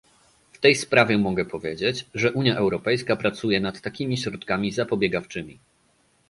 W tej sprawie mogę powiedzieć, że Unia Europejska pracuje nad takimi środkami zapobiegawczymi